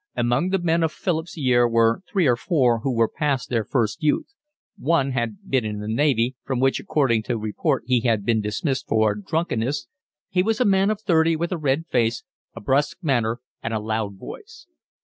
Among the men of Philip's year were three or four who were past their first youth: one had been in the Navy, from which according to report he had been dismissed for drunkenness; he was a man of thirty, with a red face, a brusque manner, and a loud voice.